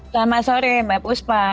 selamat sore mbak puspa